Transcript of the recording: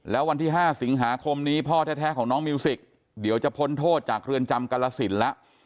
แล้ววันที่๕สิงหาคมนี้พ่อแท้ของน้องมิวสิกเดี๋ยวจะพ้นโทษจากเรือนจำกรสินแล้ว